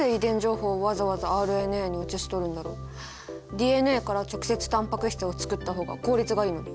ＤＮＡから直接タンパク質を作った方が効率がいいのに。